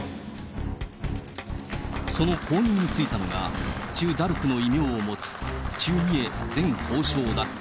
その後任に就いたのが、チュ・ダルクの異名を持つチュ・ミエ前法相だった。